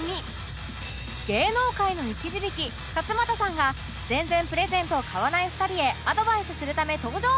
芸能界の生き字引勝俣さんが全然プレゼントを買わない２人へアドバイスするため登場